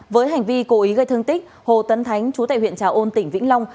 với hành vi cố ý gây thương tích hồ tấn thánh chú tệ huyện trà ôn tỉnh vĩnh long